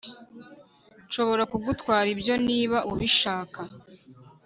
Nshobora kugutwara ibyo niba ubishaka